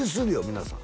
皆さん